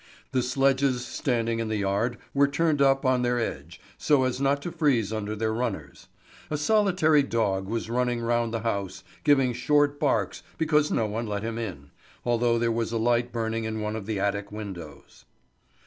The sledges standing in the yard were turned up on their edge, so as not to freeze under their runners. A solitary dog was running round the house, giving short barks because no one let it in, although there was a light burning in one of the attic windows.